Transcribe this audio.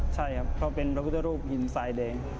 ใช่ครับเพราะเป็นพระพุทธรูปหินทรายแดง